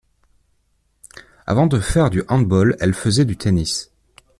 Avant de faire du Handball elle faisait du tennis.